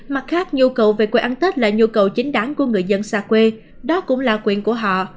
mặt khác nhu cầu về quê ăn tết là nhu cầu chính đáng của người dân xa quê đó cũng là quyền của họ